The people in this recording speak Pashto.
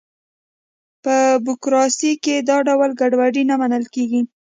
په بروکراسي کې دا ډول ګډوډي نه منل کېږي.